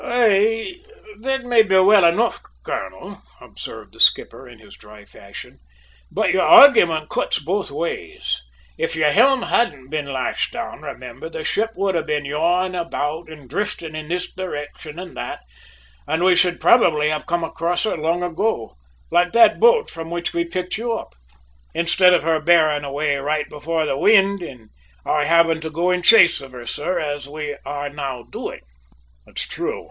"Aye, that may be well enough, colonel," observed the skipper in his dry fashion. "But your argument cuts both ways. If your helm hadn't been lashed down, remember, the ship would have been yawing about and drifting in this direction and that, and we should probably have come across her long ago, like that boat from which we picked you up, instead of her bearing away right before the wind and our having to go in chase of her, sir, as we are now doing." "It is true!